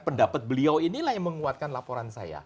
pendapat beliau inilah yang menguatkan laporan saya